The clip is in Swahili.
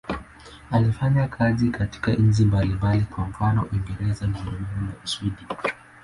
Alifanya kazi katika nchi mbalimbali, kwa mfano Uingereza, Ujerumani na Uswidi.